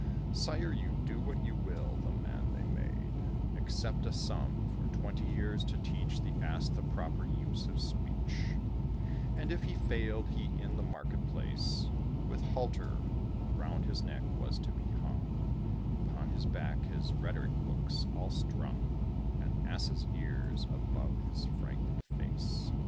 "Sire, you do what you will." The man they made Accept a sum, for twenty years to teach The ass the proper use of speech; And if he failed, he in the market place, With halter round his neck, was to be hung; Upon his back his rhetoric books all strung, And asses' ears above his frightened face.